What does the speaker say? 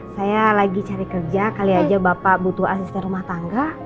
saya lagi cari kerja kali aja bapak butuh asisten rumah tangga